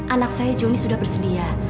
anak saya joni sudah bersedia